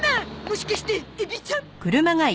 もしかしてエビちゃん！？